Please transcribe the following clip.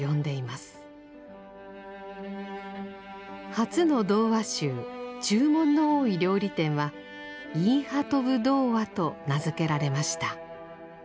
初の童話集「注文の多い料理店」は「イーハトヴ童話」と名付けられました。